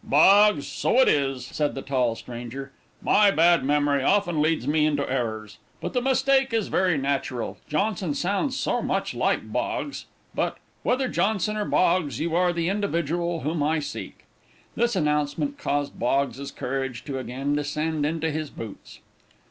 "Boggs so it is," said the tall stranger. "My bad memory often leads me into errors. But the mistake is very natural Johnson sounds so much like Boggs; but, whether Johnson or Boggs, you are the individual whom I seek." This announcement caused Boggs's courage to again descend into his boots.